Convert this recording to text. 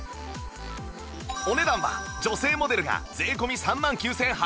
お値段は女性モデルが税込３万９８００円